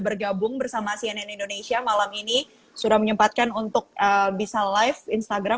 bergabung bersama cnn indonesia malam ini sudah menyempatkan untuk bisa live instagram